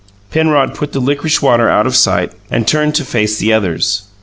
Penrod put the licorice water out of sight and turned to face the others.